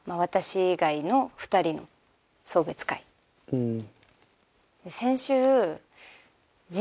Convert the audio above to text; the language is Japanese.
うん。